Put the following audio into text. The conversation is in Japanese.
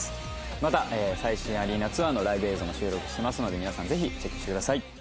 また最新アリーナツアーのライブ映像も収録してますので皆さんぜひチェックしてください。